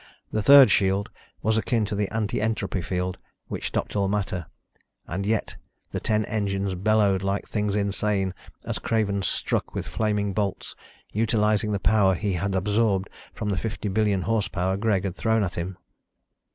The third shield was akin to the anti entropy field, which stopped all matter ... and yet the ten engines bellowed like things insane as Craven struck with flaming bolts, utilizing the power he had absorbed from the fifty billion horsepower Greg had thrown at him.